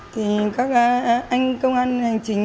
thì các anh công an hành chính